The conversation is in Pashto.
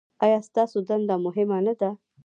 ایا ستاسو دنده مهمه نه ده؟